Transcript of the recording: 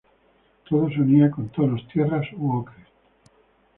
Todo se unía con tonos tierras o ocres.